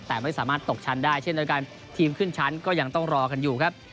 แต่ไม่สามารถตกชั้นได้เช่นเดียวกันทีมขึ้นชั้นก็ยังต้องรอกันอยู่ครับ